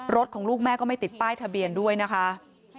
รถของลูกแม่ก็ไม่ติดป้ายทะเบียนด้วยนะคะ